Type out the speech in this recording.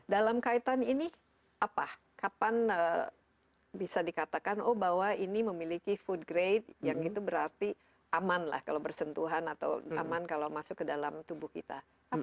dalam kaitan ini apa kapan bisa dikatakan oh bahwa ini memiliki food grade yang itu berarti aman lah kalau bersentuhan atau aman kalau masuk ke dalam tubuh kita